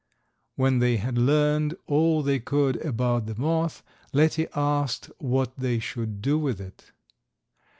When they had learned all they could about the moth Letty asked what they should do with it.